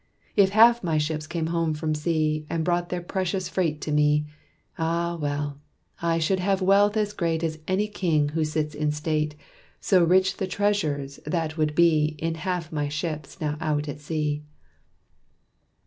"If half my ships came home from sea, And brought their precious freight to me, Ah, well! I should have wealth as great As any king who sits in state So rich the treasures that would be In half my ships now out at sea.